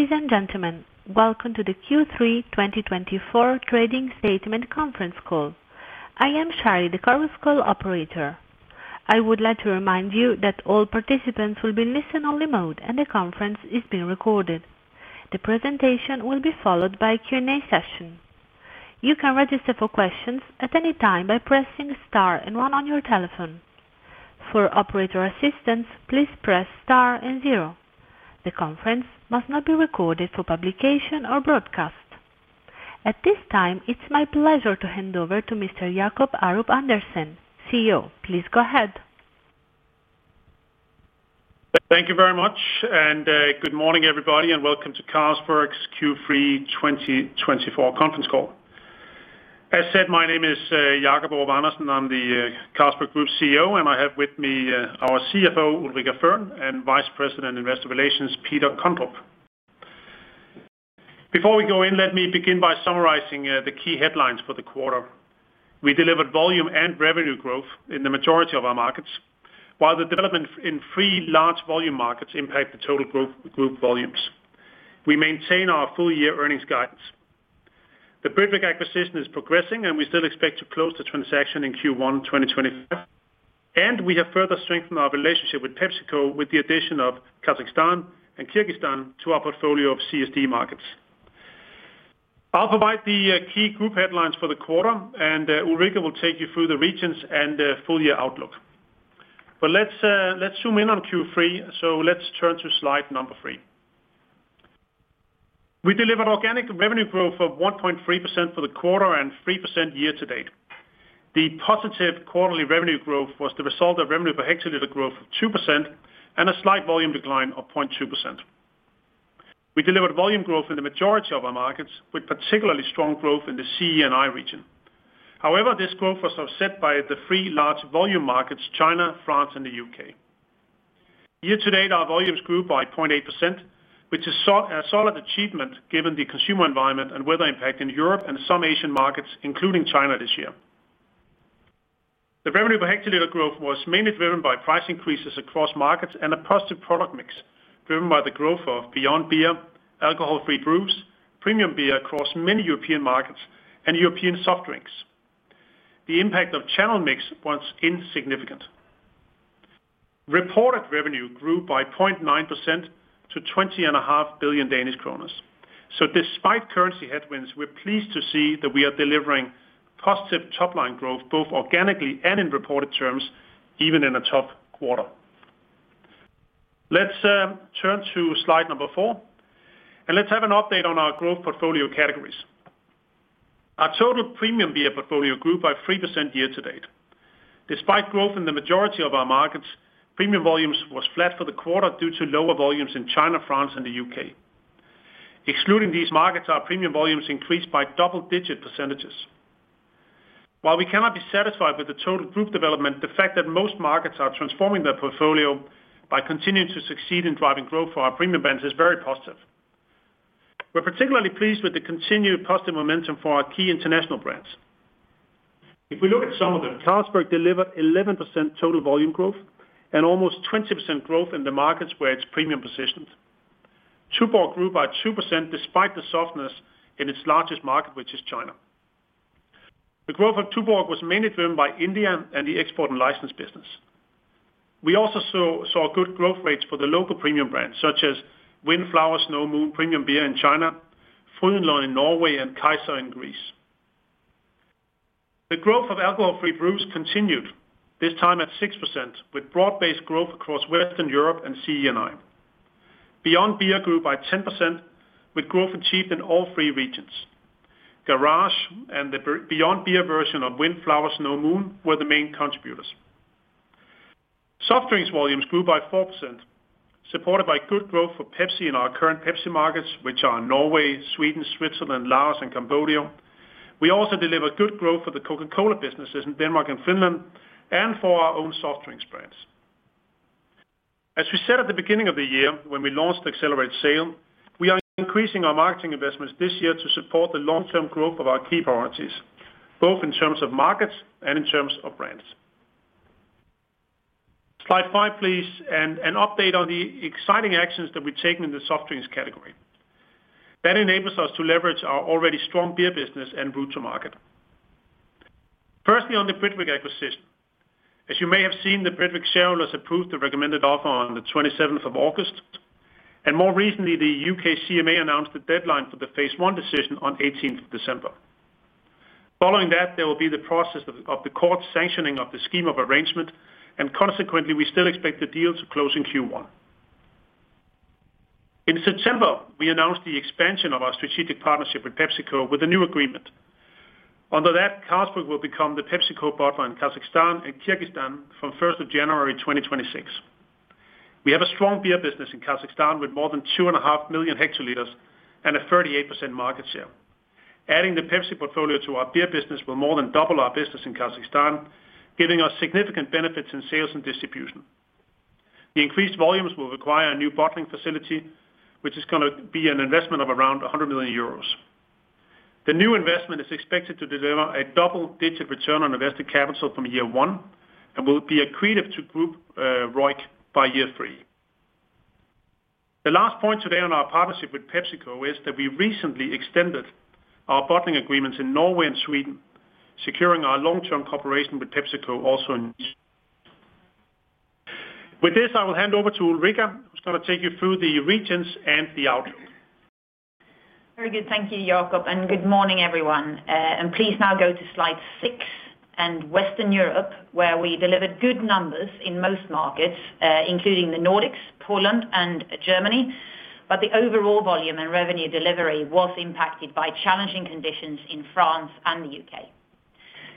Ladies and gentlemen, welcome to the Q3 2024 Trading Statement conference call. I am Shari, the Chorus Call operator. I would like to remind you that all participants will be in listen-only mode, and the conference is being recorded. The presentation will be followed by a Q&A session. You can register for questions at any time by pressing the star and one on your telephone. For operator assistance, please press star and zero. The conference must not be recorded for publication or broadcast. At this time, it's my pleasure to hand over to Mr. Jacob Aarup-Andersen, CEO. Please go ahead. Thank you very much, and good morning, everybody, and welcome to Carlsberg's Q3 2024 conference call. As said, my name is Jacob Aarup-Andersen. I'm the Carlsberg Group CEO, and I have with me our CFO, Ulrica Fearn, and Vice President, Investor Relations, Peter Kondrup. Before we go in, let me begin by summarizing the key headlines for the quarter. We delivered volume and revenue growth in the majority of our markets, while the development in three large volume markets impacted total group volumes. We maintain our full-year earnings guidance. The Britvic acquisition is progressing, and we still expect to close the transaction in Q1 2025, and we have further strengthened our relationship with PepsiCo with the addition of Kazakhstan and Kyrgyzstan to our portfolio of CSD markets. I'll provide the key group headlines for the quarter, and Ulrica will take you through the regions and full-year outlook. But let's zoom in on Q3, so let's turn to slide number three. We delivered organic revenue growth of 1.3% for the quarter and 3% year-to-date. The positive quarterly revenue growth was the result of revenue per hectoliter growth of 2% and a slight volume decline of 0.2%. We delivered volume growth in the majority of our markets, with particularly strong growth in the CEE and CEI region. However, this growth was offset by the three large volume markets, China, France, and the U.K. Year-to-date, our volumes grew by 0.8%, which is a solid achievement given the consumer environment and weather impact in Europe and some Asian markets, including China, this year. The revenue per hectoliter growth was mainly driven by price increases across markets and a positive product mix, driven by the growth of Beyond Beer, alcohol-free brews, premium beer across many European markets, and European soft drinks. The impact of channel mix was insignificant. Reported revenue grew by 0.9% to 20.5 billion Danish kroner. So despite currency headwinds, we're pleased to see that we are delivering positive top-line growth both organically and in reported terms, even in a tough quarter. Let's turn to slide number four, and let's have an update on our growth portfolio categories. Our total premium beer portfolio grew by 3% year-to-date. Despite growth in the majority of our markets, premium volumes were flat for the quarter due to lower volumes in China, France, and the U.K. Excluding these markets, our premium volumes increased by double-digit percentages. While we cannot be satisfied with the total group development, the fact that most markets are transforming their portfolio by continuing to succeed in driving growth for our premium brands is very positive. We're particularly pleased with the continued positive momentum for our key international brands. If we look at some of them, Carlsberg delivered 11% total volume growth and almost 20% growth in the markets where its premium positioned. Tuborg grew by 2% despite the softness in its largest market, which is China. The growth of Tuborg was mainly driven by India and the export and license business. We also saw good growth rates for the local premium brands, such as Wind Flower Snow Moon premium beer in China, Frydenlund in Norway, and Kaiser in Greece. The growth of alcohol-free brews continued, this time at 6%, with broad-based growth across Western Europe, CEE, and CEI. Beyond Beer grew by 10%, with growth achieved in all three regions. Garage and the Beyond Beer version of Wind Flower Snow Moon were the main contributors. Soft drinks volumes grew by 4%, supported by good growth for Pepsi in our current Pepsi markets, which are Norway, Sweden, Switzerland, Laos, and Cambodia. We also delivered good growth for the Coca-Cola businesses in Denmark and Finland and for our own soft drinks brands. As we said at the beginning of the year when we launched the accelerated sale, we are increasing our marketing investments this year to support the long-term growth of our key priorities, both in terms of markets and in terms of brands. Slide five, please, and an update on the exciting actions that we've taken in the soft drinks category. That enables us to leverage our already strong beer business and route to market. Firstly, on the Britvic acquisition. As you may have seen, the Britvic shareholders approved the recommended offer on the 27th of August. More recently, the U.K. CMA announced the deadline for the phase one decision on the 18th of December. Following that, there will be the process of the court sanctioning of the scheme of arrangement, and consequently, we still expect the deal to close in Q1. In September, we announced the expansion of our strategic partnership with PepsiCo with a new agreement. Under that, Carlsberg will become the PepsiCo partner in Kazakhstan and Kyrgyzstan from the 1st of January 2026. We have a strong beer business in Kazakhstan with more than 2.5 million hectoliters and a 38% market share. Adding the Pepsi portfolio to our beer business will more than double our business in Kazakhstan, giving us significant benefits in sales and distribution. The increased volumes will require a new bottling facility, which is going to be an investment of around 100 million euros. The new investment is expected to deliver a double-digit return on invested capital from year one and will be accretive to group ROIC by year three. The last point today on our partnership with PepsiCo is that we recently extended our bottling agreements in Norway and Sweden, securing our long-term cooperation with PepsiCo also in. With this, I will hand over to Ulrica, who's going to take you through the regions and the outlook. Very good. Thank you, Jacob. And good morning, everyone. And please now go to slide six. And Western Europe, where we delivered good numbers in most markets, including the Nordics, Poland, and Germany. But the overall volume and revenue delivery was impacted by challenging conditions in France and the U.K.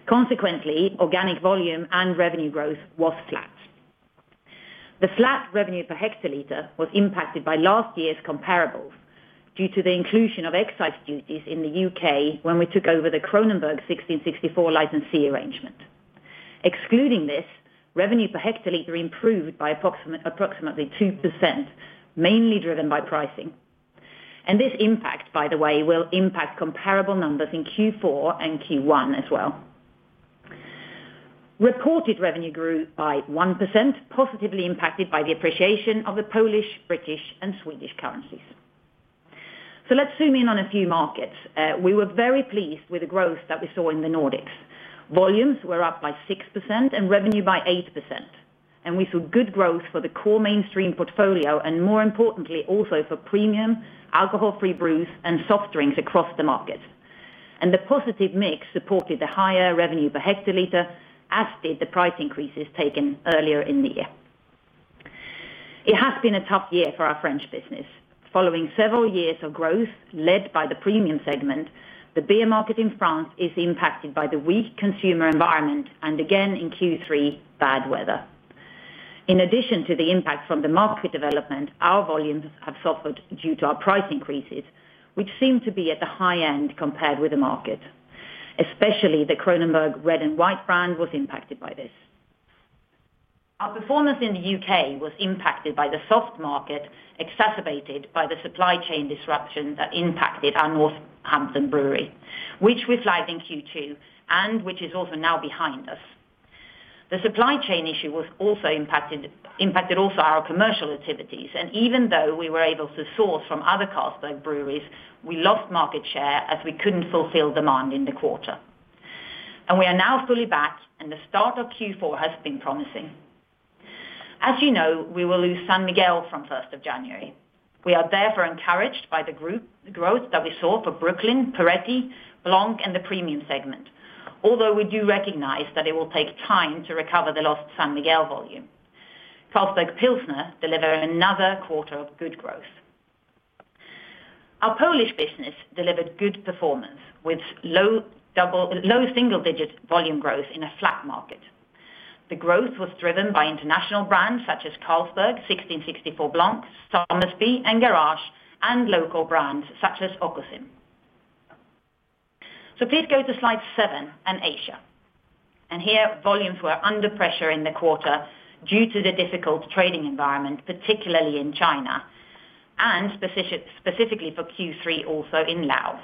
Consequently, organic volume and revenue growth was flat. The flat revenue per hectoliter was impacted by last year's comparables due to the inclusion of excise duties in the U.K. when we took over the Kronenbourg 1664 licensee arrangement. Excluding this, revenue per hectoliter improved by approximately 2%, mainly driven by pricing. And this impact, by the way, will impact comparable numbers in Q4 and Q1 as well. Reported revenue grew by 1%, positively impacted by the appreciation of the Polish, British, and Swedish currencies. So let's zoom in on a few markets. We were very pleased with the growth that we saw in the Nordics. Volumes were up by 6% and revenue by 8%. And we saw good growth for the core mainstream portfolio and, more importantly, also for premium alcohol-free brews and soft drinks across the market. And the positive mix supported the higher revenue per hectoliter, as did the price increases taken earlier in the year. It has been a tough year for our French business. Following several years of growth led by the premium segment, the beer market in France is impacted by the weak consumer environment and, again, in Q3, bad weather. In addition to the impact from the market development, our volumes have suffered due to our price increases, which seem to be at the high end compared with the market. Especially, the Kronenbourg red and white brand was impacted by this. Our performance in the U.K. was impacted by the soft market, exacerbated by the supply chain disruption that impacted our Northampton brewery, which we flagged in Q2 and which is also now behind us. The supply chain issue was also impacted by our commercial activities, and even though we were able to source from other Carlsberg breweries, we lost market share as we couldn't fulfill demand in the quarter, and we are now fully back, and the start of Q4 has been promising. As you know, we will lose San Miguel from the 1st of January. We are therefore encouraged by the growth that we saw for Brooklyn, Poretti, Blanc in the Premium segment, although we do recognize that it will take time to recover the lost San Miguel volume. Carlsberg Pilsner delivered another quarter of good growth. Our Polish business delivered good performance with low single-digit volume growth in a flat market. The growth was driven by international brands such as Carlsberg, 1664 Blanc, Somersby, and Garage, and local brands such as Okocim, so please go to slide seven and Asia, and here, volumes were under pressure in the quarter due to the difficult trading environment, particularly in China, and specifically for Q3 also in Laos.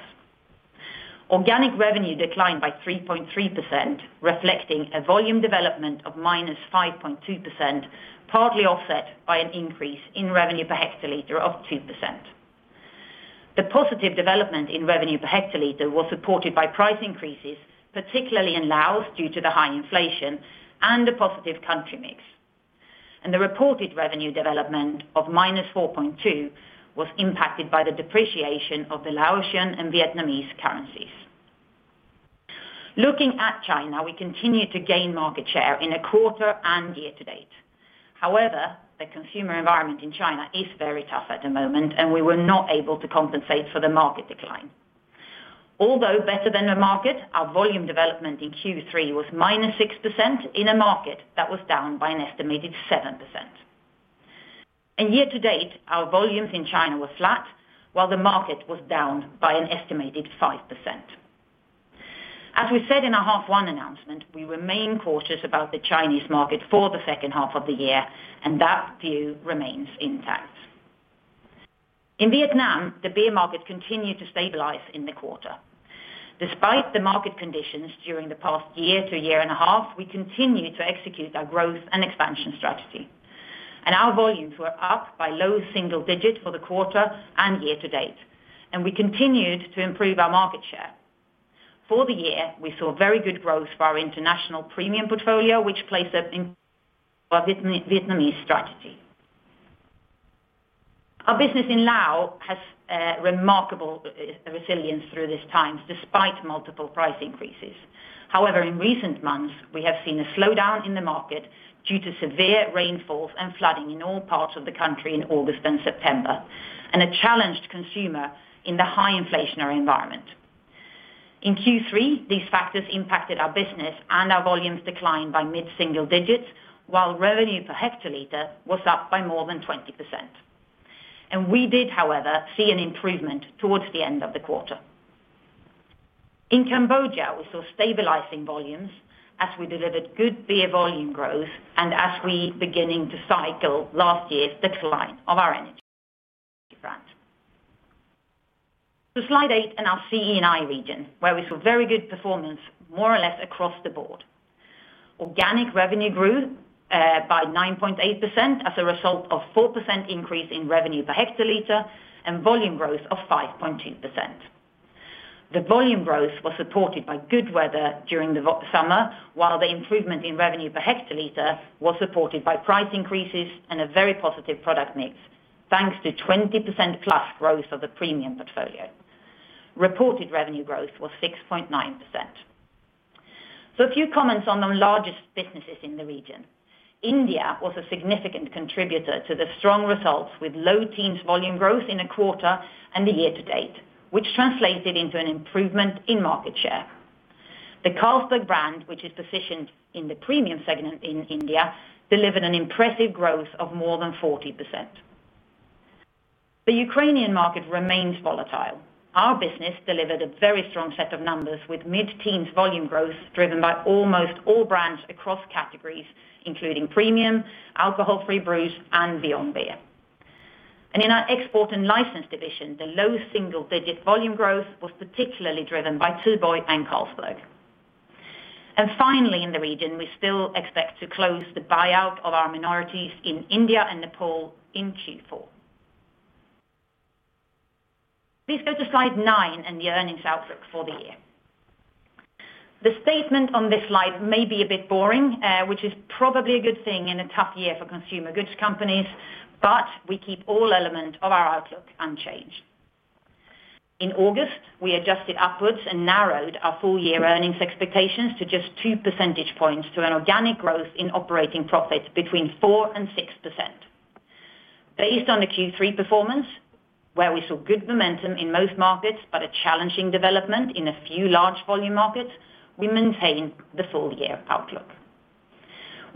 Organic revenue declined by 3.3%, reflecting a volume development of -5.2%, partly offset by an increase in revenue per hectoliter of 2%. The positive development in revenue per hectoliter was supported by price increases, particularly in Laos due to the high inflation and a positive country mix, and the reported revenue development of -4.2% was impacted by the depreciation of the Laotian and Vietnamese currencies. Looking at China, we continue to gain market share in a quarter and year-to-date. However, the consumer environment in China is very tough at the moment, and we were not able to compensate for the market decline. Although better than the market, our volume development in Q3 was -6% in a market that was down by an estimated 7%, and year-to-date, our volumes in China were flat, while the market was down by an estimated 5%. As we said in our half one announcement, we remain cautious about the Chinese market for the second half of the year, and that view remains intact. In Vietnam, the beer market continued to stabilize in the quarter. Despite the market conditions during the past year to year and a half, we continued to execute our growth and expansion strategy. Our volumes were up by low single digits for the quarter and year-to-date, and we continued to improve our market share. For the year, we saw very good growth for our international premium portfolio, which plays a vital role in our Vietnamese strategy. Our business in Laos has remarkable resilience through these times despite multiple price increases. However, in recent months, we have seen a slowdown in the market due to severe rainfalls and flooding in all parts of the country in August and September, and a challenged consumer in the high inflationary environment. In Q3, these factors impacted our business, and our volumes declined by mid-single digits, while revenue per hectoliter was up by more than 20%. We did, however, see an improvement towards the end of the quarter. In Cambodia, we saw stabilizing volumes as we delivered good beer volume growth and as we were beginning to cycle last year's decline of our energy. To slide eight and our CEE and CEI region, where we saw very good performance more or less across the board. Organic revenue grew by 9.8% as a result of a 4% increase in revenue per hectoliter and volume growth of 5.2%. The volume growth was supported by good weather during the summer, while the improvement in revenue per hectoliter was supported by price increases and a very positive product mix, thanks to 20%+ growth of the premium portfolio. Reported revenue growth was 6.9%. So a few comments on the largest businesses in the region. India was a significant contributor to the strong results with low-teens volume growth in a quarter and the year-to-date, which translated into an improvement in market share. The Carlsberg brand, which is positioned in the premium segment in India, delivered an impressive growth of more than 40%. The Ukrainian market remains volatile. Our business delivered a very strong set of numbers with mid-teens volume growth driven by almost all brands across categories, including premium, alcohol-free brews, and Beyond Beer. In our export and license division, the low single-digit volume growth was particularly driven by Tuborg and Carlsberg. Finally, in the region, we still expect to close the buyout of our minorities in India and Nepal in Q4. Please go to slide nine and the earnings outlook for the year. The statement on this slide may be a bit boring, which is probably a good thing in a tough year for consumer goods companies, but we keep all elements of our outlook unchanged. In August, we adjusted upwards and narrowed our full-year earnings expectations to just 2 percentage points to an organic growth in operating profits between 4% and 6%. Based on the Q3 performance, where we saw good momentum in most markets but a challenging development in a few large volume markets, we maintain the full-year outlook.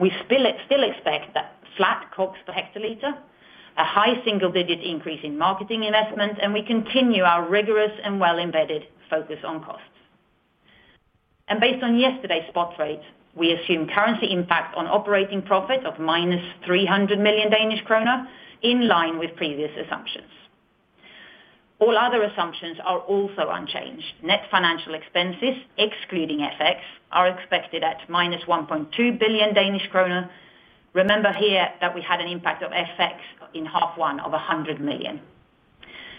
We still expect that flat cost per hectoliter, a high single-digit increase in marketing investment, and we continue our rigorous and well-embedded focus on costs. And based on yesterday's spot rates, we assume currency impact on operating profit of -300 million Danish kroner in line with previous assumptions. All other assumptions are also unchanged. Net financial expenses, excluding FX, are expected at -1.2 billion Danish kroner. Remember here that we had an impact of FX in half one of 100 million.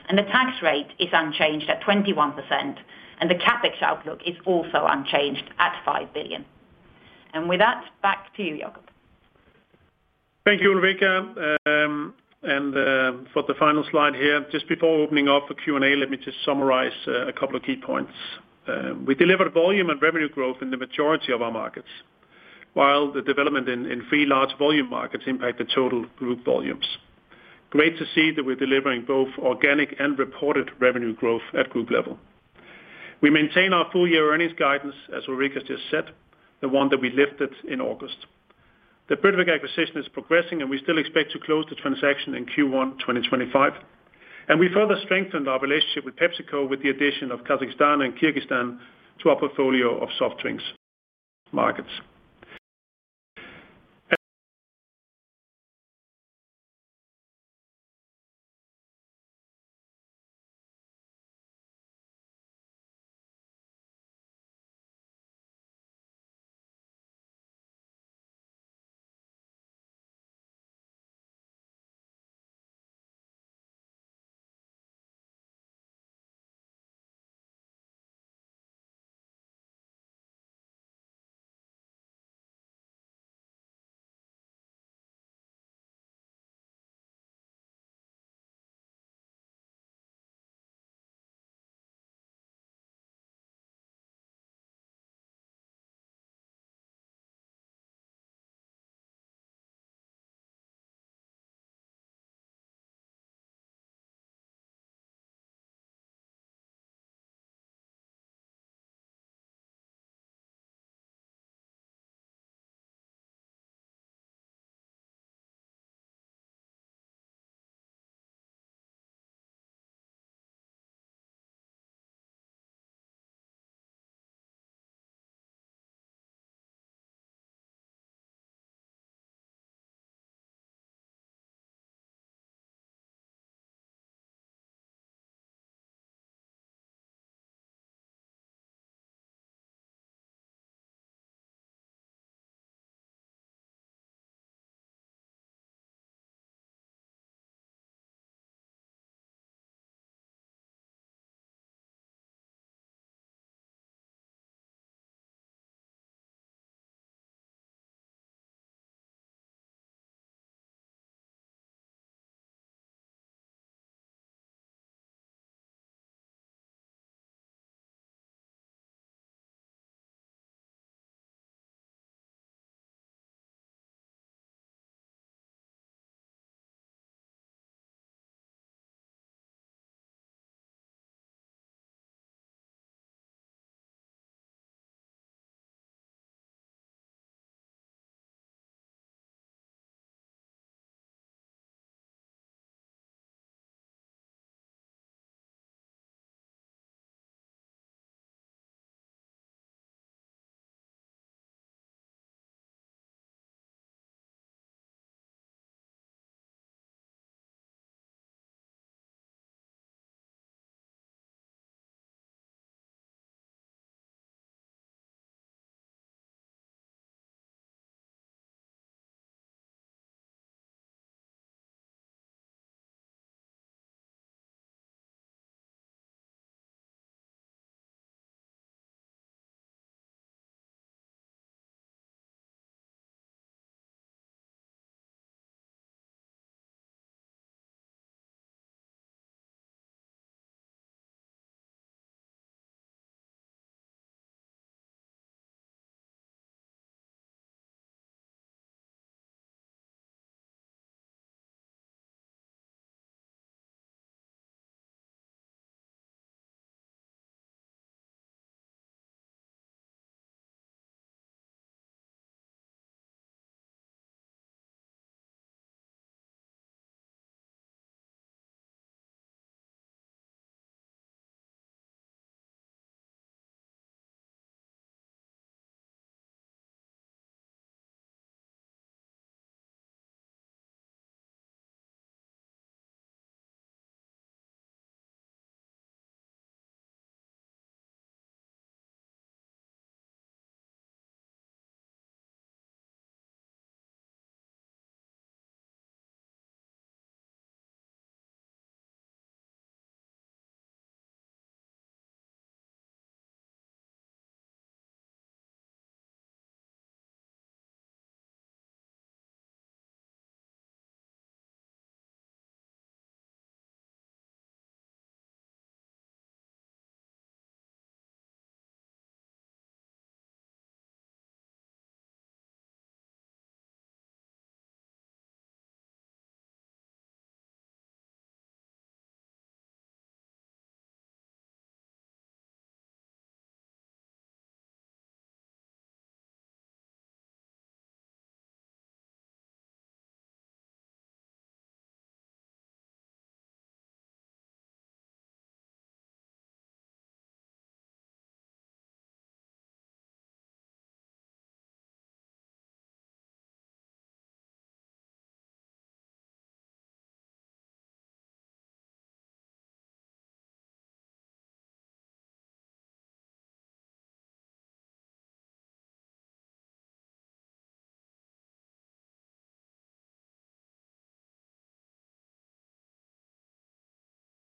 And the tax rate is unchanged at 21%, and the CapEx outlook is also unchanged at 5 billion. And with that, back to you, Jacob. Thank you, Ulrica, and for the final slide here, just before opening up for Q&A, let me just summarize a couple of key points. We delivered volume and revenue growth in the majority of our markets, while the development in three large volume markets impacted total group volumes. Great to see that we're delivering both organic and reported revenue growth at group level. We maintain our full-year earnings guidance, as Ulrica just said, the one that we lifted in August. The Britvic acquisition is progressing, and we still expect to close the transaction in Q1 2025, and we further strengthened our relationship with PepsiCo with the addition of Kazakhstan and Kyrgyzstan to our portfolio of soft drinks markets.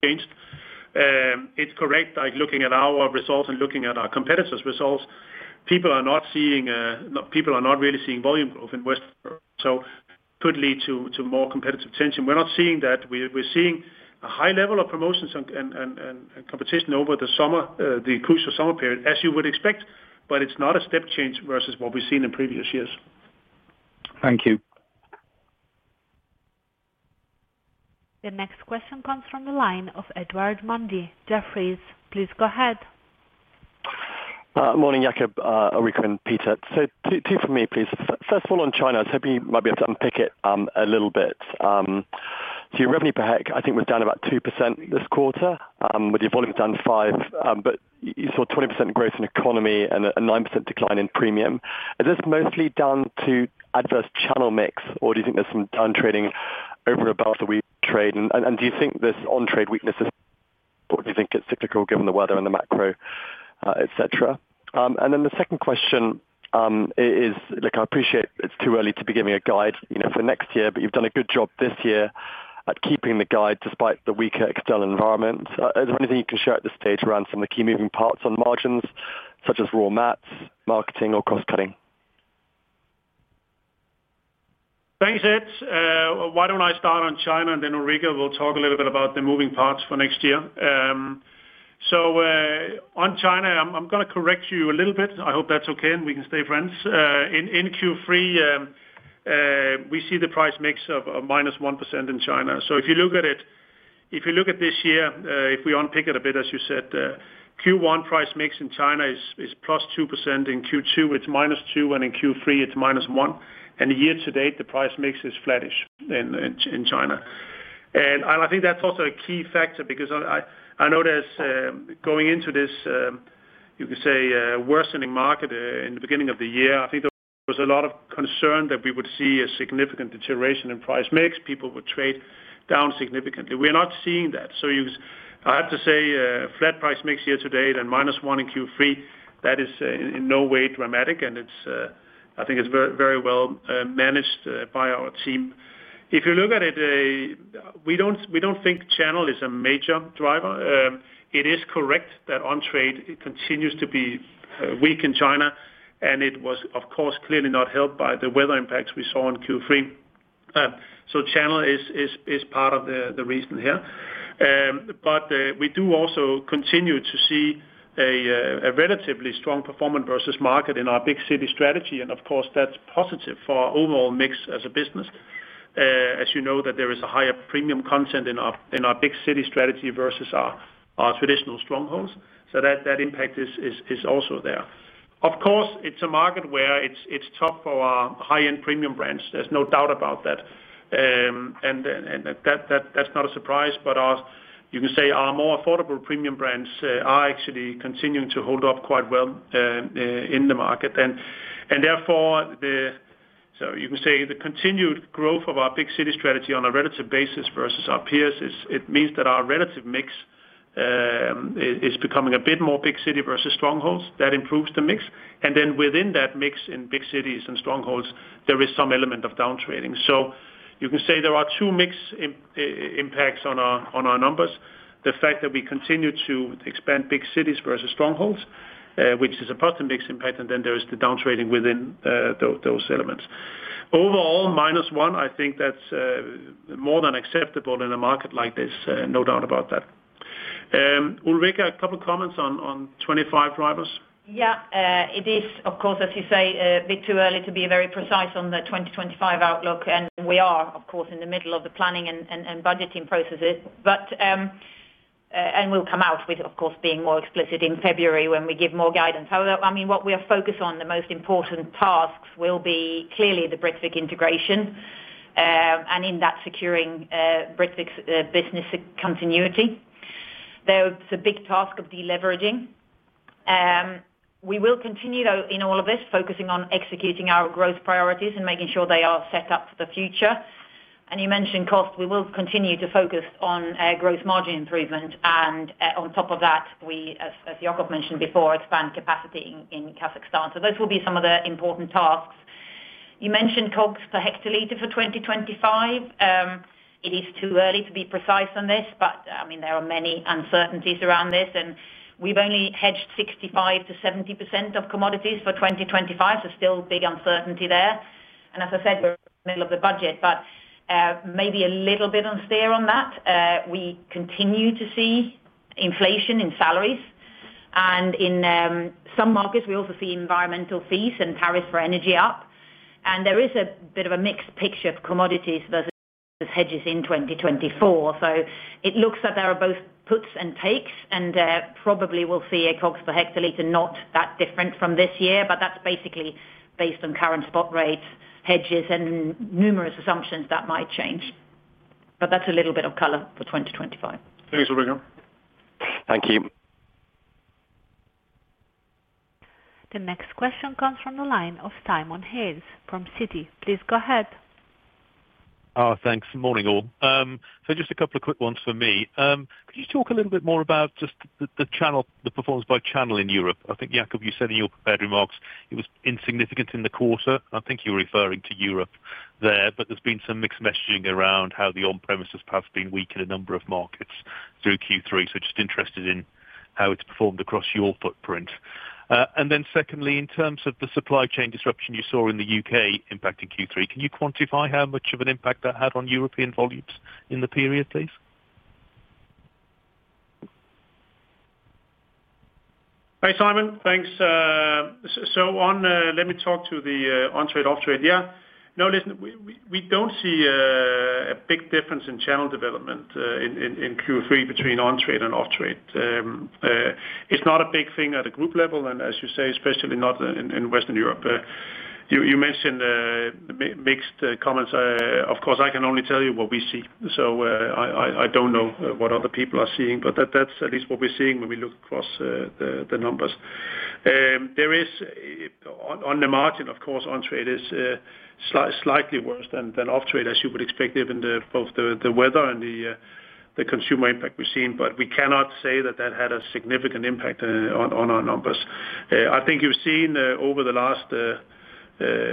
It's correct, looking at our results and looking at our competitors' results, people are not seeing, people are not really seeing volume growth in Western Europe, so it could lead to more competitive tension. We're not seeing that. We're seeing a high level of promotions and competition over the summer, the crucial summer period, as you would expect, but it's not a step change versus what we've seen in previous years. Thank you. The next question comes from the line of Edward Mundy. Jefferies, please go ahead. Morning, Jacob, Ulrica, and Peter. So two from me, please. First of all, on China, I was hoping you might be able to unpick it a little bit. So your revenue per hectoliter, I think, was down about 2% this quarter, with your volume down 5%, but you saw 20% growth in economy and a 9% decline in premium. Is this mostly down to adverse channel mix, or do you think there's some downtrading over and above the weak trade, and do you think this on-trade weakness is, or do you think it's cyclical given the weather and the macro, etc.? And then the second question is, look, I appreciate it's too early to be giving a guide for next year, but you've done a good job this year at keeping the guide despite the weaker external environment. Is there anything you can share at this stage around some of the key moving parts on margins, such as raw materials, marketing, or cost cutting? Thanks, Ed. Why don't I start on China, and then Ulrica will talk a little bit about the moving parts for next year. So on China, I'm going to correct you a little bit. I hope that's okay, and we can stay friends. In Q3, we see the price mix of -1% in China. So if you look at it, if you look at this year, if we unpick it a bit, as you said, Q1 price mix in China is +2%. In Q2, it's -2%, and in Q3, it's -1%. And year-to-date, the price mix is flattish in China. And I think that's also a key factor because I noticed going into this, you can say, worsening market in the beginning of the year, I think there was a lot of concern that we would see a significant deterioration in price mix. People would trade down significantly. We're not seeing that. So I have to say, flat price mix year-to-date and -1% in Q3, that is in no way dramatic, and I think it's very well managed by our team. If you look at it, we don't think channel is a major driver. It is correct that on-trade continues to be weak in China, and it was, of course, clearly not helped by the weather impacts we saw in Q3. So channel is part of the reason here. But we do also continue to see a relatively strong performance versus market in our big city strategy, and of course, that's positive for our overall mix as a business. As you know, there is a higher premium content in our big city strategy versus our traditional strongholds. So that impact is also there. Of course, it's a market where it's tough for our high-end premium brands. There's no doubt about that. And that's not a surprise, but you can say our more affordable premium brands are actually continuing to hold up quite well in the market. And therefore, so you can say the continued growth of our big city strategy on a relative basis versus our peers, it means that our relative mix is becoming a bit more big city versus strongholds. That improves the mix. And then within that mix in big cities and strongholds, there is some element of downtrading. So you can say there are two mix impacts on our numbers: the fact that we continue to expand big cities versus strongholds, which is a positive mix impact, and then there is the downtrading within those elements. Overall, -1% I think that's more than acceptable in a market like this. No doubt about that. Ulrica, a couple of comments on two to five drivers? Yeah. It is, of course, as you say, a bit too early to be very precise on the 2025 outlook, and we are, of course, in the middle of the planning and budgeting processes. And we'll come out with, of course, being more explicit in February when we give more guidance. However, I mean, what we are focused on, the most important tasks will be clearly the Britvic integration and in that securing Britvic's business continuity. There's a big task of deleveraging. We will continue, though, in all of this, focusing on executing our growth priorities and making sure they are set up for the future. And you mentioned cost. We will continue to focus on growth margin improvement. And on top of that, we, as Jacob mentioned before, expand capacity in Kazakhstan. So those will be some of the important tasks. You mentioned cost per hectoliter for 2025. It is too early to be precise on this, but I mean, there are many uncertainties around this. And we've only hedged 65%-70% of commodities for 2025, so still big uncertainty there. And as I said, we're in the middle of the budget, but maybe a little bit unclear on that. We continue to see inflation in salaries. And in some markets, we also see environmental fees and tariffs for energy up. And there is a bit of a mixed picture of commodities versus hedges in 2024. So it looks that there are both puts and takes, and probably we'll see a cost per hectoliter not that different from this year, but that's basically based on current spot rates, hedges, and numerous assumptions that might change. But that's a little bit of color for 2025. Thanks, Ulrica. Thank you. The next question comes from the line of Simon Hales from Citi. Please go ahead. Oh, thanks. Morning, all. So just a couple of quick ones for me. Could you talk a little bit more about just the channel, the performance by channel in Europe? I think, Jacob, you said in your prepared remarks, it was insignificant in the quarter. I think you were referring to Europe there, but there's been some mixed messaging around how the on-trade has been weak in a number of markets through Q3. So just interested in how it's performed across your footprint. And then secondly, in terms of the supply chain disruption you saw in the U.K. impacting Q3, can you quantify how much of an impact that had on European volumes in the period, please? Hey, Simon. Thanks. So on, let me talk to the on-trade, off-trade here. No, listen, we don't see a big difference in channel development in Q3 between on-trade and off-trade. It's not a big thing at a group level, and as you say, especially not in Western Europe. You mentioned mixed comments. Of course, I can only tell you what we see. So I don't know what other people are seeing, but that's at least what we're seeing when we look across the numbers. There is, on the margin, of course, on-trade is slightly worse than off-trade, as you would expect given both the weather and the consumer impact we've seen, but we cannot say that that had a significant impact on our numbers. I think,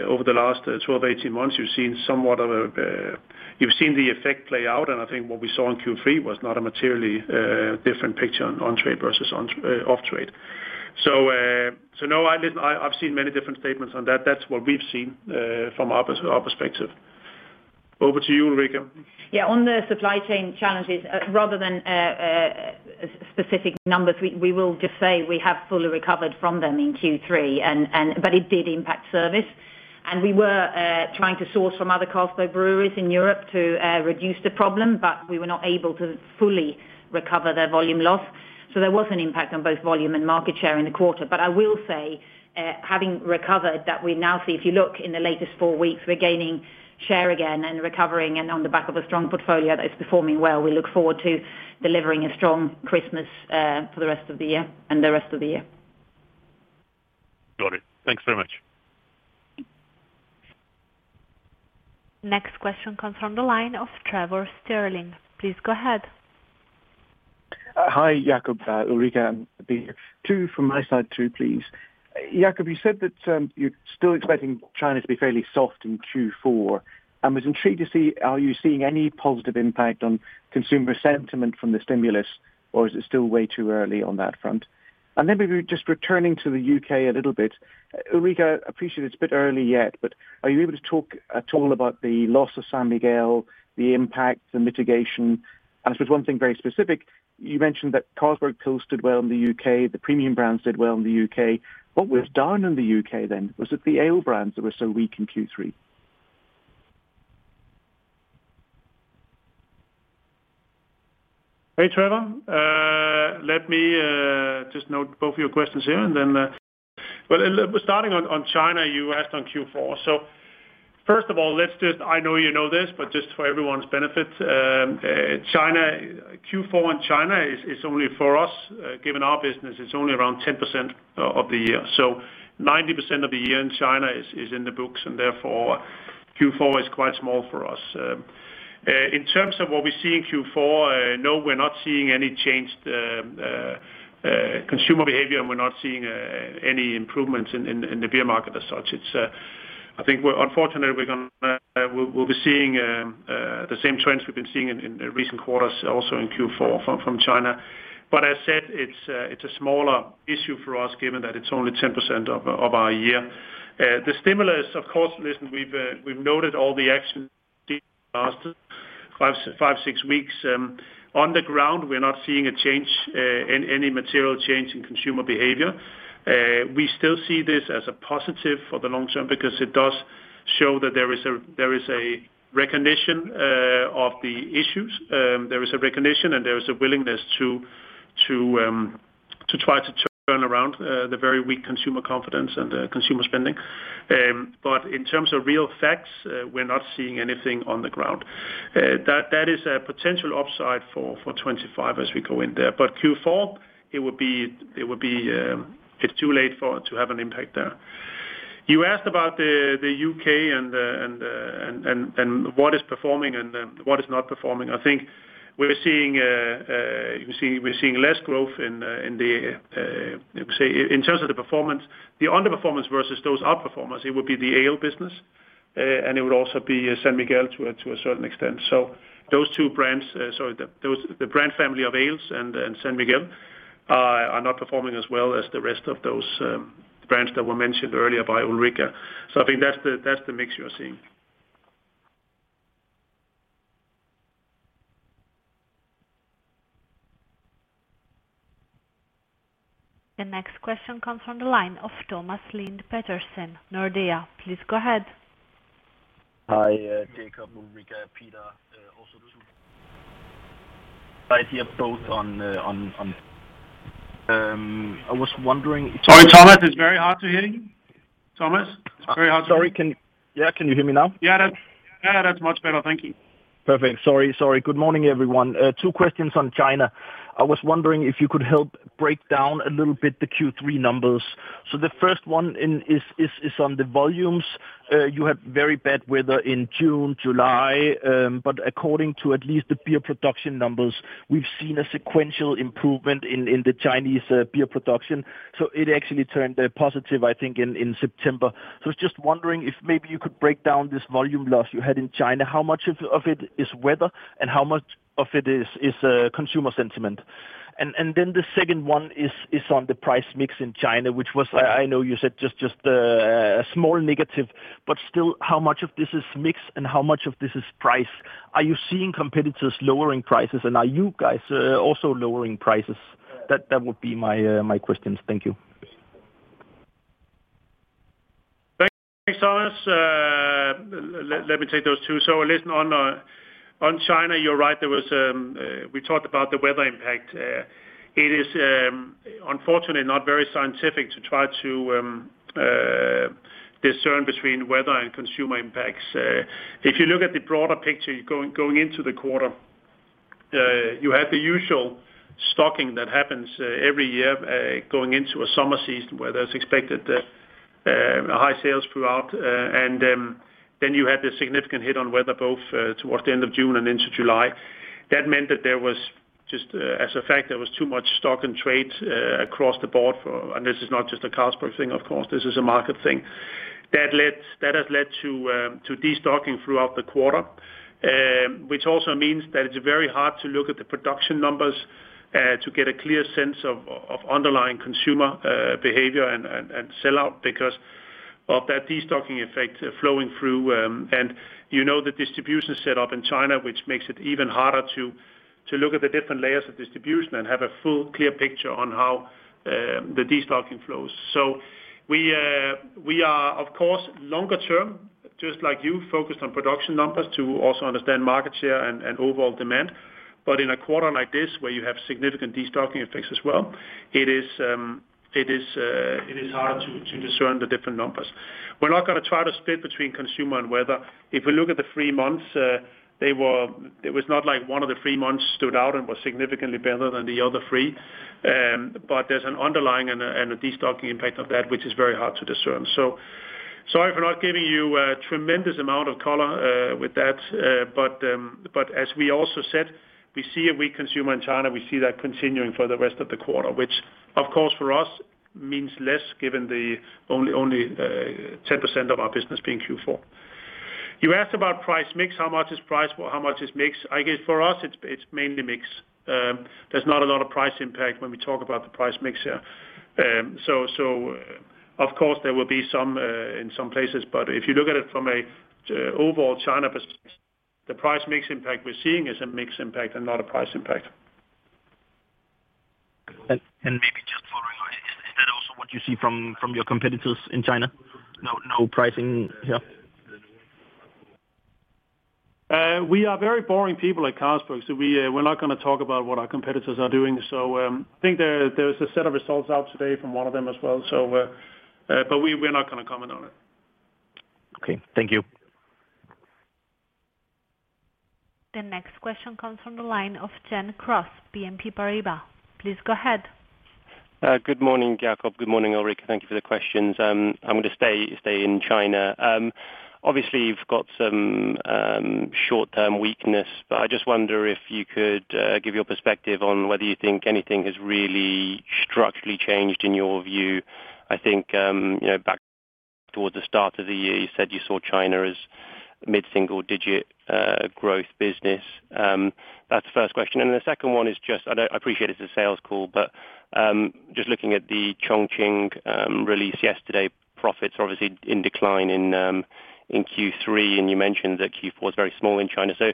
over the last 12, 18 months, you've seen the effect play out, and I think what we saw in Q3 was not a materially different picture on-trade versus off-trade. So no, listen, I've seen many different statements on that. That's what we've seen from our perspective. Over to you, Ulrica. Yeah. On the supply chain challenges, rather than specific numbers, we will just say we have fully recovered from them in Q3, but it did impact service, and we were trying to source from other Carlsberg breweries in Europe to reduce the problem, but we were not able to fully recover their volume loss, so there was an impact on both volume and market share in the quarter, but I will say, having recovered, that we now see, if you look in the latest four weeks, we're gaining share again and recovering and on the back of a strong portfolio that is performing well. We look forward to delivering a strong Christmas for the rest of the year. Got it. Thanks very much. Next question comes from the line of Trevor Stirling. Please go ahead. Hi, Jacob, Ulrica, and Peter. Two from my side too, please. Jacob, you said that you're still expecting China to be fairly soft in Q4, and was intrigued to see how you're seeing any positive impact on consumer sentiment from the stimulus, or is it still way too early on that front? And then maybe just returning to the U.K. a little bit. Ulrica, I appreciate it's a bit early yet, but are you able to talk at all about the loss of San Miguel, the impact, the mitigation? And I suppose one thing very specific, you mentioned that Carlsberg Pilsner did well in the U.K., the premium brands did well in the U.K. What was down in the U.K. then? Was it the ale brands that were so weak in Q3? Hey, Trevor. Let me just note both of your questions here and then, well, starting on China, you asked on Q4. So first of all, let's just, I know you know this, but just for everyone's benefit, Q4 in China is only for us, given our business, it's only around 10% of the year. So 90% of the year in China is in the books, and therefore Q4 is quite small for us. In terms of what we see in Q4, no, we're not seeing any changed consumer behavior, and we're not seeing any improvements in the beer market as such. I think, unfortunately, we'll be seeing the same trends we've been seeing in recent quarters, also in Q4, from China. But as said, it's a smaller issue for us, given that it's only 10% of our year. The stimulus, of course, listen, we've noted all the action last five, six weeks. On the ground, we're not seeing a change, any material change in consumer behavior. We still see this as a positive for the long term because it does show that there is a recognition of the issues. There is a recognition, and there is a willingness to try to turn around the very weak consumer confidence and consumer spending. But in terms of real facts, we're not seeing anything on the ground. That is a potential upside for 2025 as we go in there. But Q4, it would be, it's too late to have an impact there. You asked about the U.K. and what is performing and what is not performing. I think we're seeing less growth in the, let me say, in terms of the performance, the underperformance versus those outperformers, it would be the ale business, and it would also be San Miguel to a certain extent. So those two brands, sorry, the brand family of ales and San Miguel are not performing as well as the rest of those brands that were mentioned earlier by Ulrica. So I think that's the mix you're seeing. The next question comes from the line of Thomas Lind Petersen, Nordea. Please go ahead. Hi, Jacob, Ulrica, Peter, also too. I hear both on. I was wondering. Sorry, Thomas, it's very hard to hear you. Thomas? It's very hard to hear. Sorry, yeah, can you hear me now? Yeah, that's much better. Thank you. Perfect. Sorry, sorry. Good morning, everyone. Two questions on China. I was wondering if you could help break down a little bit the Q3 numbers. So the first one is on the volumes. You had very bad weather in June, July, but according to at least the beer production numbers, we've seen a sequential improvement in the Chinese beer production. So it actually turned positive, I think, in September. So I was just wondering if maybe you could break down this volume loss you had in China. How much of it is weather, and how much of it is consumer sentiment? And then the second one is on the price mix in China, which was, I know you said, just a small negative, but still, how much of this is mix and how much of this is price? Are you seeing competitors lowering prices, and are you guys also lowering prices? That would be my questions. Thank you. Thanks, Thomas. Let me take those two. So listen, on China, you're right. We talked about the weather impact. It is, unfortunately, not very scientific to try to discern between weather and consumer impacts. If you look at the broader picture going into the quarter, you have the usual stocking that happens every year going into a summer season where there's expected high sales throughout, and then you had the significant hit on weather both towards the end of June and into July. That meant that there was just, as a fact, too much stock in trade across the board, and this is not just a Carlsberg thing, of course. This is a market thing. That has led to destocking throughout the quarter, which also means that it's very hard to look at the production numbers to get a clear sense of underlying consumer behavior and sellout because of that destocking effect flowing through, and you know the distribution setup in China, which makes it even harder to look at the different layers of distribution and have a full clear picture on how the destocking flows, so we are, of course, longer term, just like you, focused on production numbers to also understand market share and overall demand, but in a quarter like this, where you have significant destocking effects as well, it is harder to discern the different numbers. We're not going to try to split between consumer and weather. If we look at the three months, there was not like one of the three months stood out and was significantly better than the other three, but there's an underlying and a destocking impact of that, which is very hard to discern, so sorry for not giving you a tremendous amount of color with that, but as we also said, we see a weak consumer in China. We see that continuing for the rest of the quarter, which, of course, for us means less given the only 10% of our business being Q4. You asked about price mix. How much is price? How much is mix? I guess for us, it's mainly mix. There's not a lot of price impact when we talk about the price mix here. Of course, there will be some in some places, but if you look at it from an overall China perspective, the price mix impact we're seeing is a mixed impact and not a price impact. And maybe just following on, is that also what you see from your competitors in China? No pricing. Yeah. We are very boring people at Carlsberg, so we're not going to talk about what our competitors are doing. So I think there's a set of results out today from one of them as well, but we're not going to comment on it. Okay. Thank you. The next question comes from the line of Gen Cross, BNP Paribas. Please go ahead. Good morning, Jacob. Good morning, Ulrica. Thank you for the questions. I'm going to stay in China. Obviously, you've got some short-term weakness, but I just wonder if you could give your perspective on whether you think anything has really structurally changed in your view. I think back towards the start of the year, you said you saw China as mid-single-digit growth business. That's the first question. And then the second one is just, I appreciate it's a sales call, but just looking at the Chongqing release yesterday, profits are obviously in decline in Q3, and you mentioned that Q4 was very small in China. So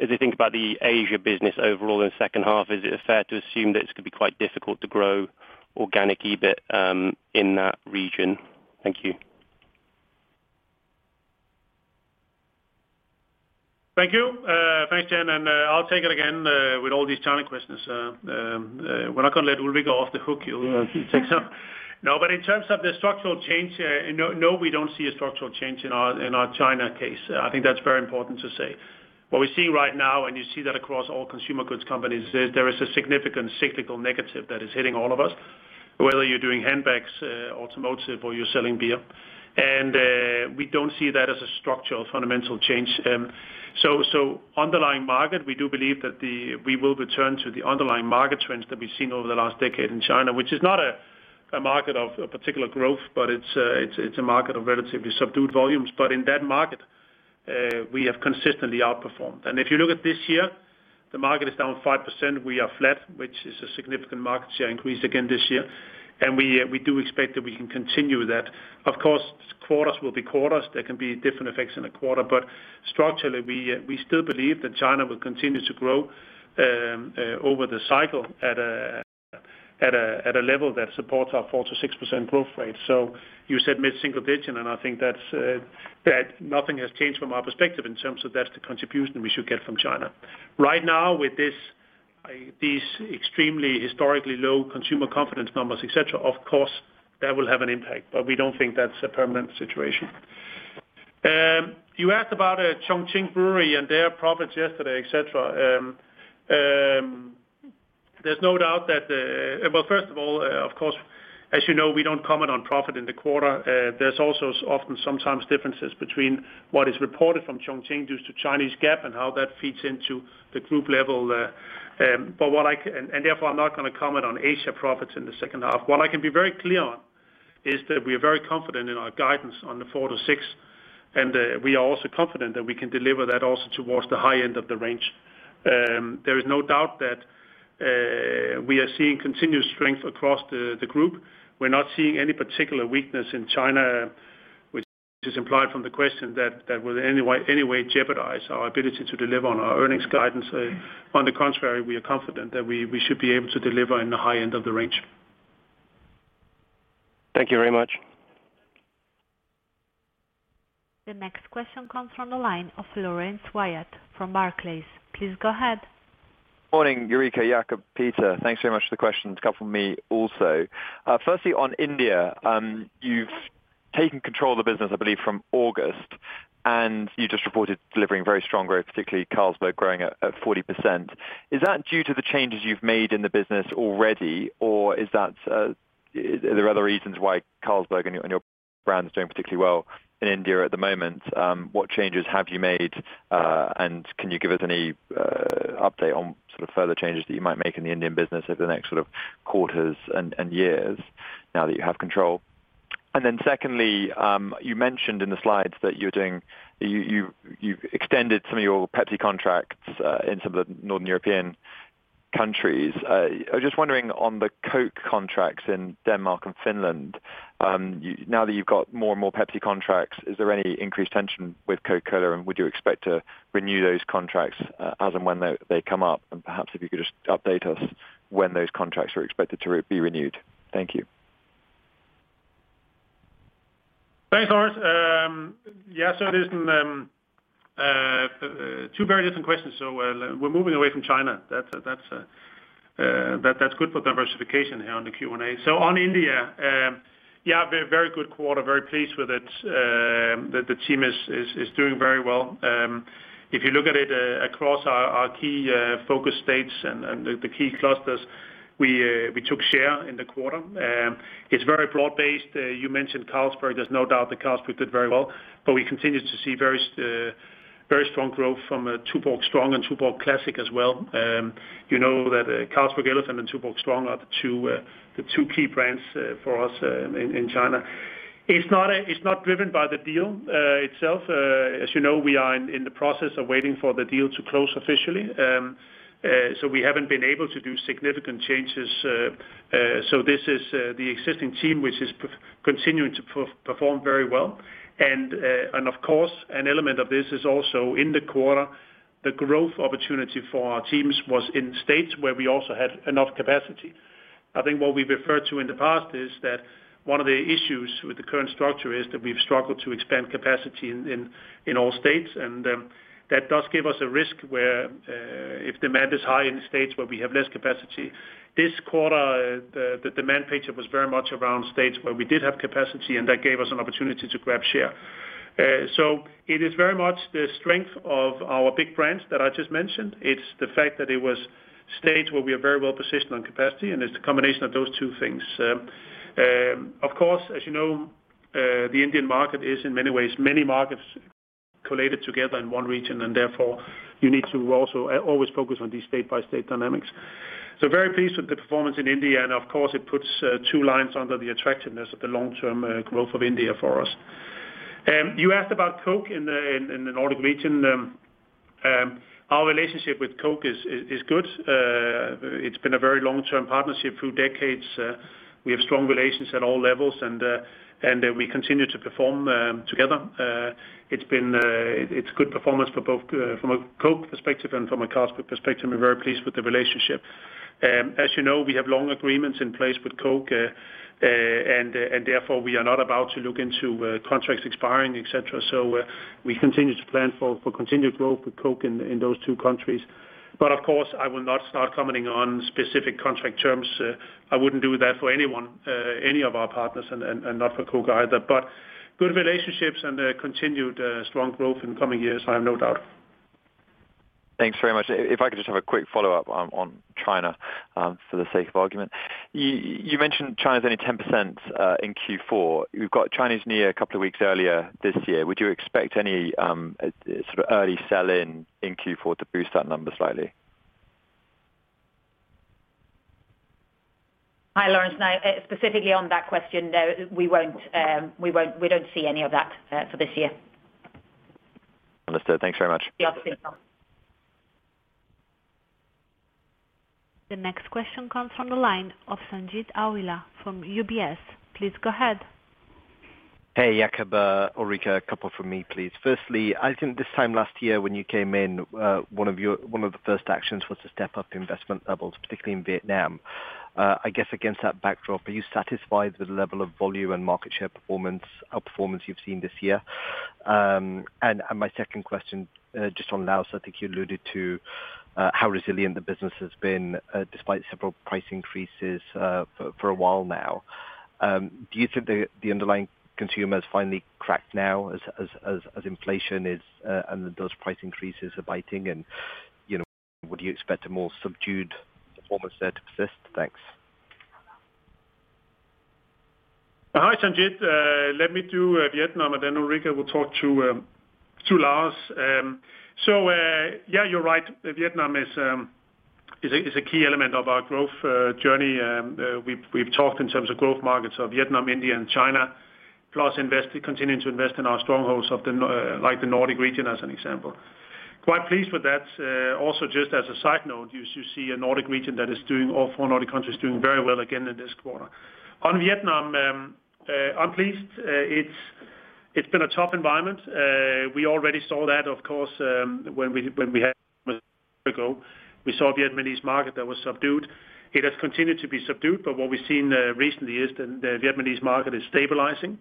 as I think about the Asia business overall in the second half, is it fair to assume that it's going to be quite difficult to grow organic EBIT in that region? Thank you. Thank you. Thanks, Gen. And I'll take it again with all these China questions. We're not going to let Ulrica off the hook. No, but in terms of the structural change, no, we don't see a structural change in our China case. I think that's very important to say. What we're seeing right now, and you see that across all consumer goods companies, is, there is a significant cyclical negative that is hitting all of us, whether you're doing handbags, automotive, or you're selling beer, and we don't see that as a structural fundamental change, so underlying market, we do believe that we will return to the underlying market trends that we've seen over the last decade in China, which is not a market of particular growth, but it's a market of relatively subdued volumes, but in that market, we have consistently outperformed, and if you look at this year, the market is down 5%. We are flat, which is a significant market share increase again this year. We do expect that we can continue that. Of course, quarters will be quarters. There can be different effects in a quarter, but structurally, we still believe that China will continue to grow over the cycle at a level that supports our 4%-6% growth rate. So you said mid-single digit, and I think that nothing has changed from our perspective in terms of that's the contribution we should get from China. Right now, with these extremely historically low consumer confidence numbers, etc., of course, that will have an impact, but we don't think that's a permanent situation. You asked about Chongqing Brewery and their profits yesterday, etc. There's no doubt that, well, first of all, of course, as you know, we don't comment on profit in the quarter. There's also often sometimes differences between what is reported from Chongqing due to Chinese GAAP and how that feeds into the group level. Therefore, I'm not going to comment on Asia profits in the second half. What I can be very clear on is that we are very confident in our guidance on the 4%-6%, and we are also confident that we can deliver that also towards the high end of the range. There is no doubt that we are seeing continued strength across the group. We're not seeing any particular weakness in China, which is implied from the question that will in any way jeopardize our ability to deliver on our earnings guidance. On the contrary, we are confident that we should be able to deliver in the high end of the range. Thank you very much. The next question comes from the line of Laurence Whyatt from Barclays. Please go ahead. Good morning, Ulrica, Jacob, Peter. Thanks very much for the question. A couple for me also. Firstly, on India, you've taken control of the business, I believe, from August, and you just reported delivering very strong growth, particularly Carlsberg growing at 40%. Is that due to the changes you've made in the business already, or are there other reasons why Carlsberg and your brand are doing particularly well in India at the moment? What changes have you made, and can you give us any update on sort of further changes that you might make in the Indian business over the next sort of quarters and years now that you have control? And then secondly, you mentioned in the slides that you've extended some of your Pepsi contracts in some of the Northern European countries. I'm just wondering on the Coke contracts in Denmark and Finland, now that you've got more and more Pepsi contracts, is there any increased tension with Coca-Cola, and would you expect to renew those contracts as and when they come up? And perhaps if you could just update us when those contracts are expected to be renewed. Thank you. Thanks, Laurence. Yeah, so there's two very different questions. So we're moving away from China. That's good for diversification here on the Q&A. So on India, yeah, very good quarter, very pleased with it. The team is doing very well. If you look at it across our key focus states and the key clusters, we took share in the quarter. It's very broad-based. You mentioned Carlsberg. There's no doubt that Carlsberg did very well, but we continue to see very strong growth from Tuborg Strong and Tuborg Classic as well. You know that Carlsberg Elephant and Tuborg Strong are the two key brands for us in China. It's not driven by the deal itself. As you know, we are in the process of waiting for the deal to close officially. So we haven't been able to do significant changes. This is the existing team, which is continuing to perform very well. Of course, an element of this is also in the quarter, the growth opportunity for our teams was in states where we also had enough capacity. I think what we referred to in the past is that one of the issues with the current structure is that we've struggled to expand capacity in all states, and that does give us a risk where if demand is high in states where we have less capacity. This quarter, the demand picture was very much around states where we did have capacity, and that gave us an opportunity to grab share. It is very much the strength of our big brands that I just mentioned. It's the fact that it was states where we are very well-positioned on capacity, and it's a combination of those two things. Of course, as you know, the Indian market is in many ways many markets collated together in one region, and therefore you need to also always focus on these state-by-state dynamics. So very pleased with the performance in India, and of course, it puts two lines under the attractiveness of the long-term growth of India for us. You asked about Coke in the Nordic region. Our relationship with Coke is good. It's been a very long-term partnership through decades. We have strong relations at all levels, and we continue to perform together. It's good performance from a Coke perspective and from a Carlsberg perspective. We're very pleased with the relationship. As you know, we have long agreements in place with Coke, and therefore we are not about to look into contracts expiring, etc. So we continue to plan for continued growth with Coke in those two countries. But of course, I will not start commenting on specific contract terms. I wouldn't do that for any of our partners and not for Coke either. But good relationships and continued strong growth in the coming years, I have no doubt. Thanks very much. If I could just have a quick follow-up on China for the sake of argument. You mentioned China's only 10% in Q4. We've got Chinese New Year a couple of weeks earlier this year. Would you expect any sort of early sell-in in Q4 to boost that number slightly? Hi, Laurence. Specifically on that question, no, we don't see any of that for this year. Understood. Thanks very much. We don't see that. The next question comes from the line of Sanjeet Aujla from UBS. Please go ahead. Hey, Jacob, Ulrica, a couple for me, please. Firstly, I think this time last year when you came in, one of the first actions was to step up investment levels, particularly in Vietnam. I guess against that backdrop, are you satisfied with the level of volume and market share performance, our performance you've seen this year? And my second question just on Laos, I think you alluded to how resilient the business has been despite several price increases for a while now. Do you think the underlying consumer has finally cracked now as inflation is and those price increases are biting? And would you expect a more subdued performance there to persist? Thanks. Hi, Sanjeet. Let me do Vietnam, and then Ulrica will talk to Laos. So yeah, you're right. Vietnam is a key element of our growth journey. We've talked in terms of growth markets of Vietnam, India, and China, plus continue to invest in our strongholds like the Nordic region as an example. Quite pleased with that. Also, just as a side note, you see a Nordic region that is doing all four Nordic countries very well again in this quarter. On Vietnam, I'm pleased. It's been a tough environment. We already saw that, of course, when we had a year ago. We saw a Vietnamese market that was subdued. It has continued to be subdued, but what we've seen recently is that the Vietnamese market is stabilizing,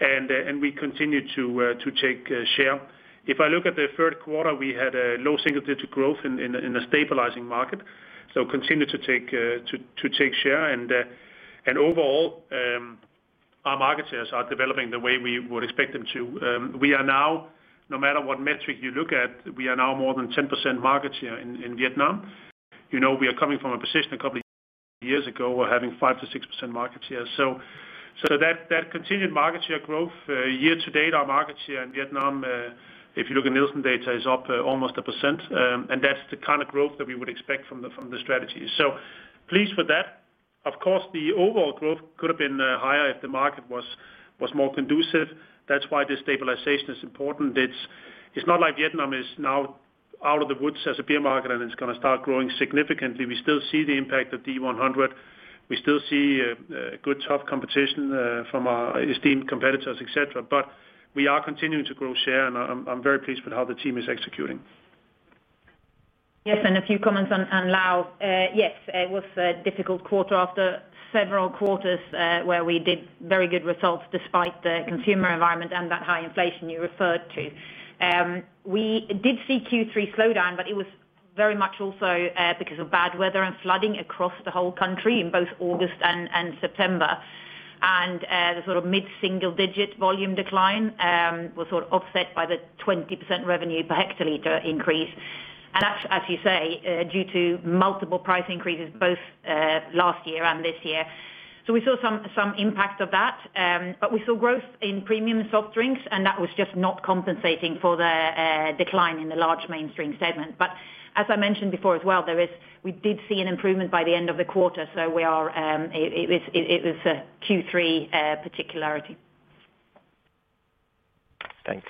and we continue to take share. If I look at the third quarter, we had a low single-digit growth in a stabilizing market, so continue to take share, and overall, our market shares are developing the way we would expect them to. We are now, no matter what metric you look at, we are now more than 10% market share in Vietnam. You know we are coming from a position a couple of years ago of having 5%-6% market share, so that continued market share growth, year to date, our market share in Vietnam, if you look at Nielsen data, is up almost 1%, and that's the kind of growth that we would expect from the strategy, so pleased with that. Of course, the overall growth could have been higher if the market was more conducive. That's why this stabilization is important. It's not like Vietnam is now out of the woods as a beer market, and it's going to start growing significantly. We still see the impact of D100. We still see good tough competition from our esteemed competitors, etc. But we are continuing to grow share, and I'm very pleased with how the team is executing. Yes, and a few comments on Laos. Yes, it was a difficult quarter after several quarters where we did very good results despite the consumer environment and that high inflation you referred to. We did see Q3 slowdown, but it was very much also because of bad weather and flooding across the whole country in both August and September, and the sort of mid-single digit volume decline was sort of offset by the 20% revenue per hectoliter increase, and as you say, due to multiple price increases both last year and this year, so we saw some impact of that, but we saw growth in premium soft drinks, and that was just not compensating for the decline in the large mainstream segment, but as I mentioned before as well, we did see an improvement by the end of the quarter, so it was a Q3 particularity. Thanks.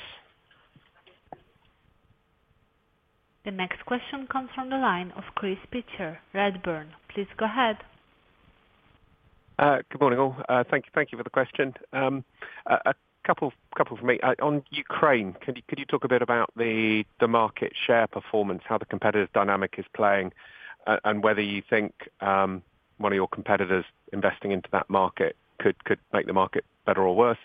The next question comes from the line of Chris Pitcher, Redburn. Please go ahead. Good morning, all. Thank you for the question. A couple for me. On Ukraine, could you talk a bit about the market share performance, how the competitive dynamic is playing, and whether you think one of your competitors investing into that market could make the market better or worse?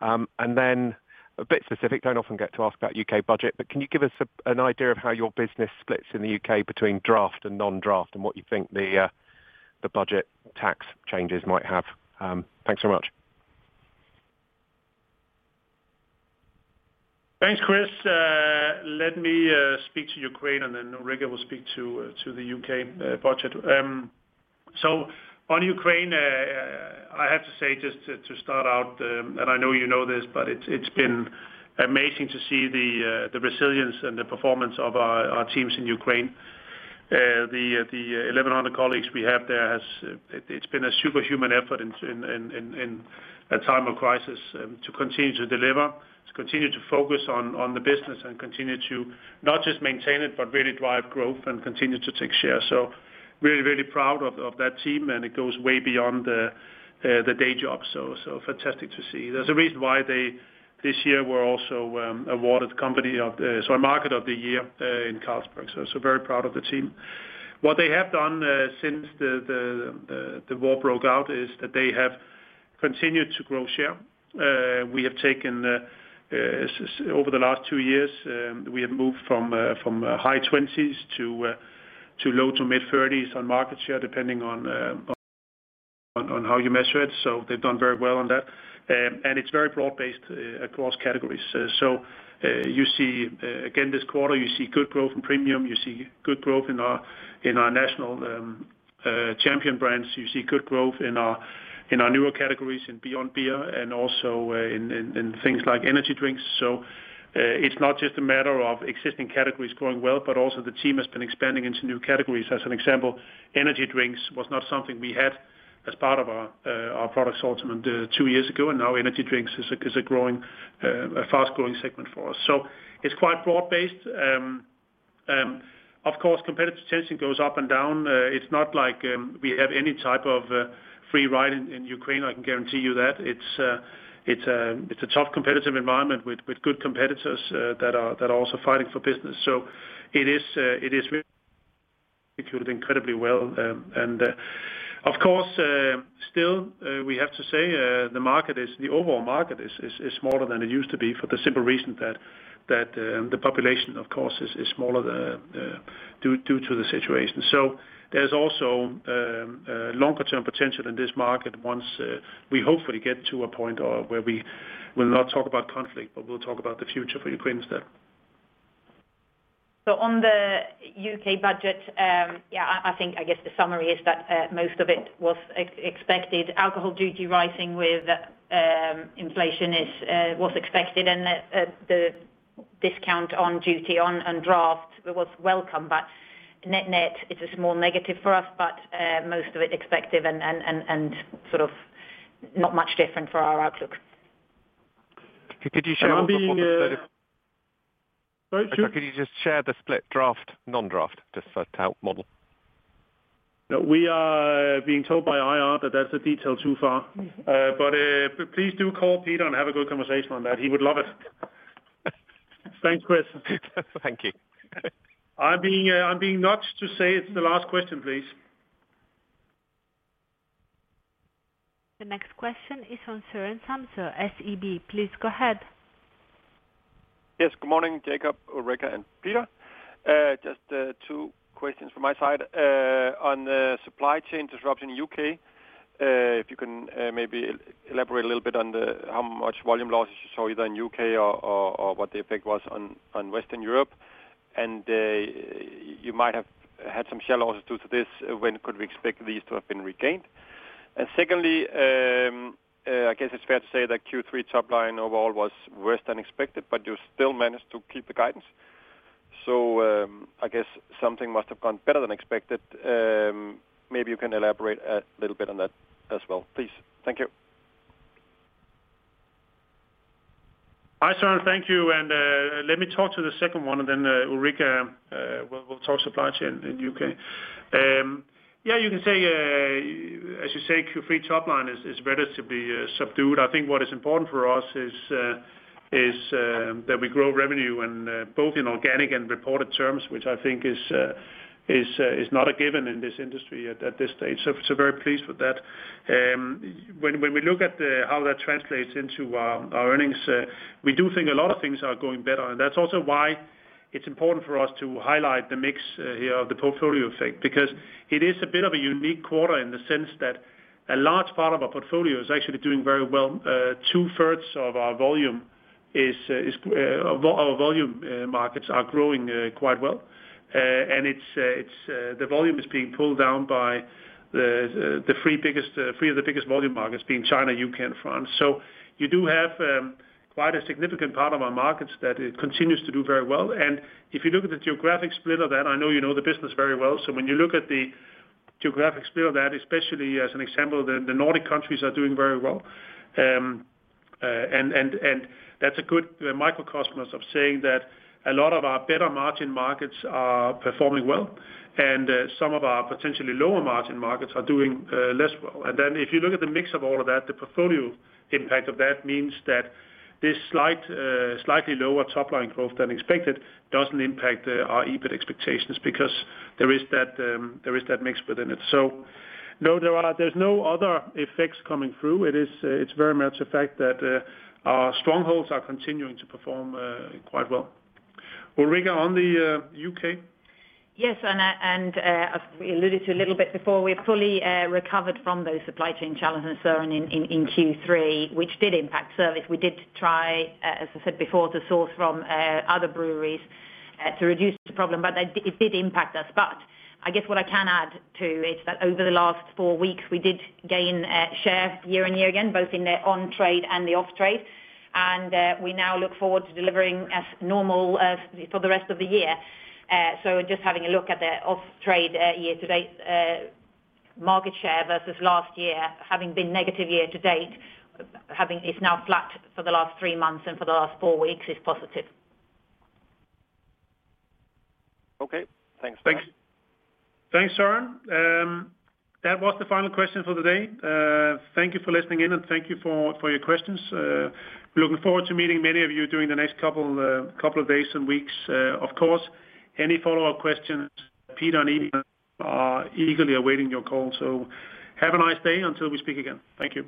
And then a bit specific, don't often get to ask about U.K. budget, but can you give us an idea of how your business splits in the U.K. between draft and non-draft, and what you think the budget tax changes might have? Thanks very much. Thanks, Chris. Let me speak to Ukraine, and then Ulrica will speak to the U.K. budget. So on Ukraine, I have to say just to start out, and I know you know this, but it's been amazing to see the resilience and the performance of our teams in Ukraine. The 1,100 colleagues we have there, it's been a superhuman effort in a time of crisis to continue to deliver, to continue to focus on the business, and continue to not just maintain it, but really drive growth and continue to take share. So really, really proud of that team, and it goes way beyond the day job. So fantastic to see. There's a reason why they this year were also awarded Company of the, Market of the Year in Carlsberg. So very proud of the team. What they have done since the war broke out is that they have continued to grow share. We have taken over the last two years, we have moved from high 20s to low to mid-30s on market share depending on how you measure it. So they've done very well on that. And it's very broad-based across categories. So you see, again, this quarter, you see good growth in premium. You see good growth in our national champion brands. You see good growth in our newer categories and beyond beer and also in things like energy drinks. So it's not just a matter of existing categories growing well, but also the team has been expanding into new categories. As an example, energy drinks was not something we had as part of our product sort of two years ago, and now energy drinks is a fast-growing segment for us. So it's quite broad-based. Of course, competitive tension goes up and down. It's not like we have any type of free ride in Ukraine. I can guarantee you that. It's a tough competitive environment with good competitors that are also fighting for business. So it is executed incredibly well. And of course, still, we have to say the overall market is smaller than it used to be for the simple reason that the population, of course, is smaller due to the situation. So there's also longer-term potential in this market once we hopefully get to a point where we will not talk about conflict, but we'll talk about the future for Ukraine instead. So on the U.K. budget, yeah, I think I guess the summary is that most of it was expected. Alcohol duty rising with inflation was expected, and the discount on duty on draft was welcome, but net net, it's a small negative for us, but most of it expected and sort of not much different for our outlook. Could you share a bit more? Sorry, Chris? Could you just share the split draft, non-draft, just for model? We are being told by IR that that's a detail too far. But please do call Peter and have a good conversation on that. He would love it. Thanks, Chris. Thank you. I'm being nudged to say it's the last question, please. The next question is from Søren Samsøe, SEB. Please go ahead. Yes, good morning, Jacob, Ulrica, and Peter. Just two questions from my side on supply chain disruption in the U.K. If you can, maybe elaborate a little bit on how much volume losses you saw either in the U.K. or what the effect was on Western Europe? And you might have had some share losses due to this. When could we expect these to have been regained? And secondly, I guess it's fair to say that Q3 top line overall was worse than expected, but you still managed to keep the guidance. So I guess something must have gone better than expected. Maybe you can elaborate a little bit on that as well, please? Thank you. Hi, Søren. Thank you. And let me talk to the second one, and then Ulrica will talk supply chain in the U.K. Yeah, you can say, as you say, Q3 top line is relatively subdued. I think what is important for us is that we grow revenue both in organic and reported terms, which I think is not a given in this industry at this stage. So we're very pleased with that. When we look at how that translates into our earnings, we do think a lot of things are going better. And that's also why it's important for us to highlight the mix here of the portfolio effect, because it is a bit of a unique quarter in the sense that a large part of our portfolio is actually doing very well. 2/3 of our volume markets are growing quite well. The volume is being pulled down by the three of the biggest volume markets being China, U.K., and France. So you do have quite a significant part of our markets that continues to do very well. And if you look at the geographic split of that, I know you know the business very well. So when you look at the geographic split of that, especially as an example, the Nordic countries are doing very well. And that's a good microcosm of saying that a lot of our better margin markets are performing well, and some of our potentially lower margin markets are doing less well. And then if you look at the mix of all of that, the portfolio impact of that means that this slightly lower top line growth than expected doesn't impact our EBIT expectations because there is that mix within it. So no, there's no other effects coming through. It's very much a fact that our strongholds are continuing to perform quite well. Ulrica, on the U.K.? Yes, and as we alluded to a little bit before, we've fully recovered from those supply chain challenges, Søren, in Q3, which did impact service. We did try, as I said before, to source from other breweries to reduce the problem, but it did impact us. But I guess what I can add too is that over the last four weeks, we did gain share year-on-year again, both in the on-trade and the off-trade. And we now look forward to delivering as normal for the rest of the year. So just having a look at the off-trade year-to-date market share versus last year, having been negative year-to-date, it's now flat for the last three months and for the last four weeks is positive. Okay. Thanks a lot. Thanks, Søren. That was the final question for the day. Thank you for listening in, and thank you for your questions. Looking forward to meeting many of you during the next couple of days and weeks. Of course, any follow-up questions, Peter and Iben are eagerly awaiting your call. So have a nice day until we speak again. Thank you.